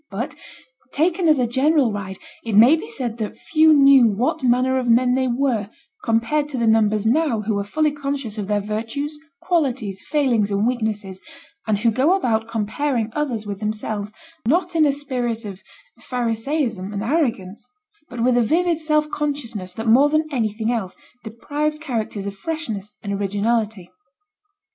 But, taken as a general ride, it may be said that few knew what manner of men they were, compared to the numbers now who are fully conscious of their virtues, qualities, failings, and weaknesses, and who go about comparing others with themselves not in a spirit of Pharisaism and arrogance, but with a vivid self consciousness that more than anything else deprives characters of freshness and originality.